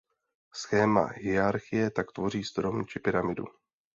Schéma hierarchie tak tvoří strom či pyramidu.